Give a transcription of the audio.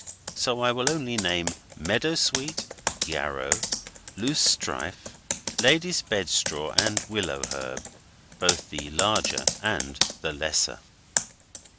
So I will only name meadow sweet, yarrow, loose strife, lady's bed straw and willow herb both the larger and the lesser.